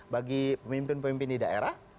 bagi pemimpin pemimpin di daerah